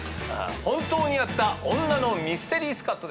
本当にあった女のミステリースカッとです。